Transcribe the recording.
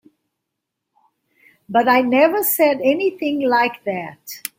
But I never said anything like that.